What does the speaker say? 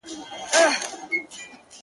کښته پسي ځه د زړه له تله یې را و باسه،